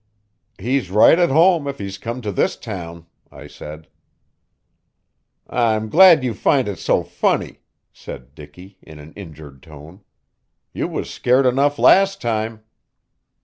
"He's right at home if he's come to this town," I said. "I'm glad you find it so funny," said Dicky in an injured tone. "You was scared enough last time."